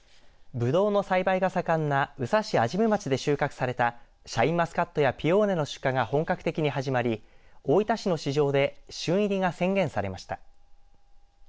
ぶどうの栽培が盛んな宇佐市安心院町で収穫されたシャインマスカットやピオーネの出荷が本格的に始まり大分市の市場で旬入りが宣言されました。